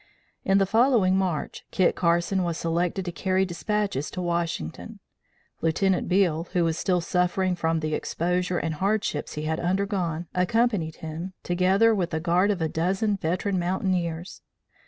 In the following March, Kit Carson was selected to carry despatches to Washington. Lieutenant Beale, who was still suffering from the exposure and hardships he had undergone, accompanied him, together with a guard of a dozen veteran mountaineers.